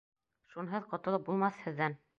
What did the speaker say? Шунһыҙ ҡотолоп булмаҫ һеҙҙән!